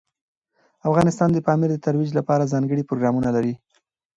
افغانستان د پامیر د ترویج لپاره ځانګړي پروګرامونه لري.